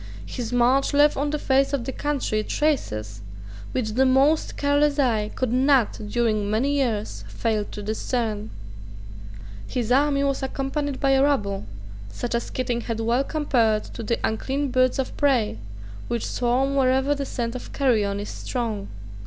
His march left on the face of the country traces which the most careless eye could not during many years fail to discern. His army was accompanied by a rabble, such as Keating had well compared to the unclean birds of prey which swarm wherever the scent of carrion is strong.